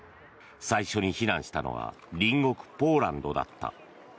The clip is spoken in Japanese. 最初に避難したのは隣国ポーランドだった。